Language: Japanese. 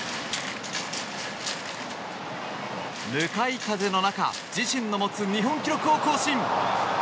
向かい風の中自身の持つ日本記録を更新。